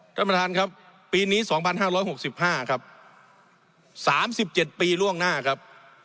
ท่านประธานครับปีนี้๒๕๖๕ครับ๓๗ปีล่วงหน้าครับ